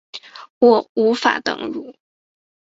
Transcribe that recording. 我无法登入